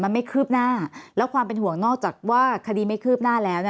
มันไม่คืบหน้าแล้วความเป็นห่วงนอกจากว่าคดีไม่คืบหน้าแล้ว